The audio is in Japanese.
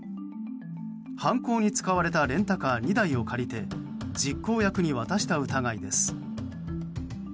犯行に使われたレンタカー２台を借りて実行役に渡した疑いです。